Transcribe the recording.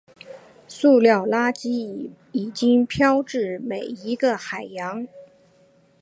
塑料垃圾已经飘至每一个海洋。